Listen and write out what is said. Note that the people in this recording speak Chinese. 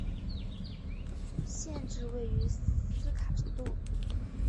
县治位于斯卡杜。